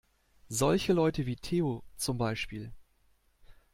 Solche Leute wie Theo, zum Beispiel.